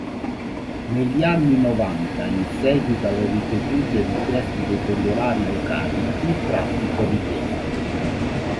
Negli anni novanta, in seguito alle ripetute richieste dei pendolari locali, il traffico riprese.